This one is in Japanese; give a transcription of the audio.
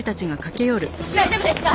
大丈夫ですか？